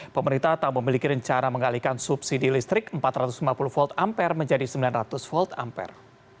pemerintah tak memiliki rencana mengalihkan subsidi listrik empat ratus lima puluh volt ampere menjadi sembilan ratus volt ampere